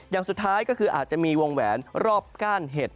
อย่างสุดท้ายก็คืออาจจะมีวงแหวนรอบก้านเห็ด